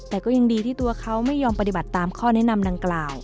แต่ก็ยังดีที่ตัวเขาไม่ยอมปฏิบัติตามข้อแนะนำดังกล่าว